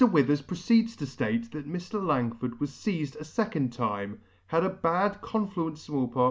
Withers proceeds to ftate that Mr. Langford was feized a fecond time, had a bad confluent Small Po.